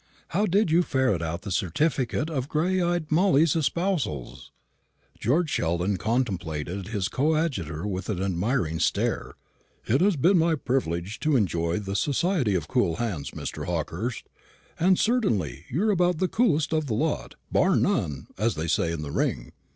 How did you ferret out the certificate of gray eyed Molly's espousals?" George Sheldon contemplated his coadjutor with an admiring stare. "It has been my privilege to enjoy the society of cool hands, Mr. Hawkehurst; and certainly you are about the coolest of the lot bar one, as they say in the ring.